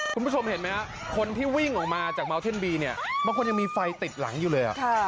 คุณผู้ชมเห็นไหมฮะคนที่วิ่งออกมาจากเมาเท่นบีเนี่ยบางคนยังมีไฟติดหลังอยู่เลย